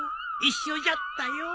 一緒じゃったよ。